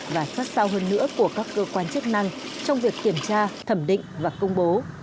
và sát sao hơn nữa của các cơ quan chức năng trong việc kiểm tra thẩm định và công bố